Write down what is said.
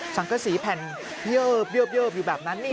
สังเกษีแผ่นเยือบเยือบอยู่แบบนั้นนี่นี่